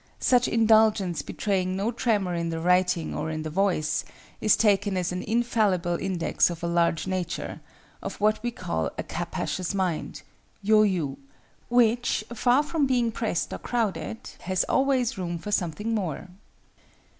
Such indulgence betraying no tremor in the writing or in the voice, is taken as an infallible index of a large nature—of what we call a capacious mind (yoyū), which, for from being pressed or crowded, has always room for something more.